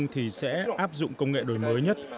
thì sẽ áp dụng công nghệ đổi mới nhất